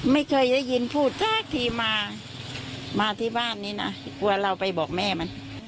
ไม่เคยได้ยินพูดสักทีมามาที่บ้านนี้นะกลัวเราไปบอกแม่มัน